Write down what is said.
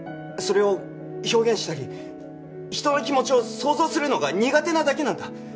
それを表現したり人の気持ちを想像するのが苦手なだけなんだ。